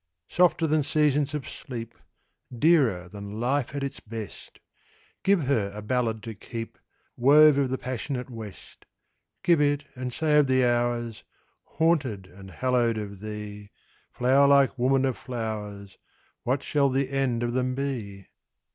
Softer than seasons of sleep: Dearer than life at its best! Give her a ballad to keep, Wove of the passionate West: Give it and say of the hours "Haunted and hallowed of thee, Flower like woman of flowers, What shall the end of them be?"